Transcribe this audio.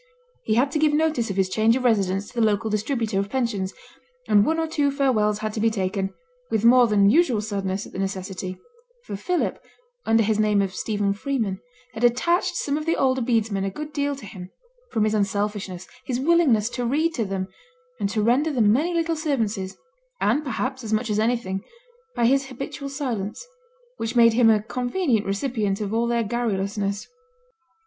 He had to give notice of his change of residence to the local distributor of pensions; and one or two farewells had to be taken, with more than usual sadness at the necessity; for Philip, under his name of Stephen Freeman, had attached some of the older bedesmen a good deal to him, from his unselfishness, his willingness to read to them, and to render them many little services, and, perhaps, as much as anything, by his habitual silence, which made him a convenient recipient of all their garrulousness.